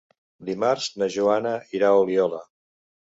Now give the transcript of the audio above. Dimarts na Joana irà a Oliola.